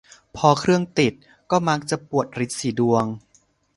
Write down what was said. พอเครื่องติด ก็มักจะปวดรีดสีดวง